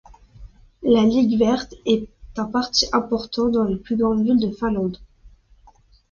La Ligue verte est un parti important dans les plus grandes villes de Finlande.